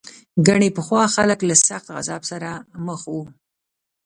ګنې پخوا خلک له سخت عذاب سره مخ وو.